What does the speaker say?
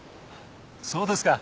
そうですか。